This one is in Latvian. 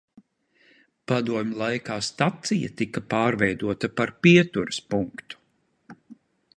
Padomju laikā stacija tika pārveidota par pieturas punktu.